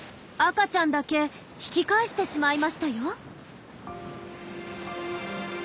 赤ちゃんだけ引き返してしまいましたよ。